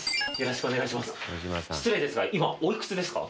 失礼ですが今おいくつですか？